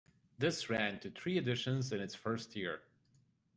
This ran to three editions in its first year.